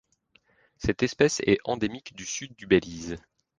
Cette espèce est endémique du Sud du Belize.